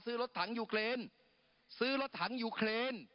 รถถังยูเครนซื้อรถถังยูเครน